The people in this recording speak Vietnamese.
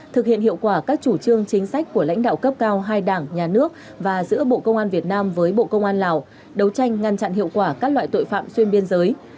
thực hiện hiệu quả các chủ trương chính sách của lãnh đạo cấp cao hai đảng nhà nước và giữa bộ công an việt nam với bộ công an lào đấu tranh ngăn chặn hiệu quả các loại tội phạm xuyên biên giới